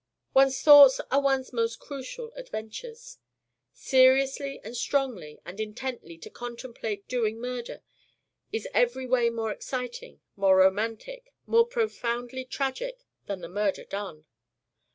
One's thoughts are one's most crucial adventures. Seriously and strongly and intently to contemplate doing murder is everyway more exciting, more romantic, more profoundly tragic than the murder done.